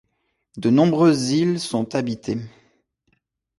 De nombreuses îles sont habitées.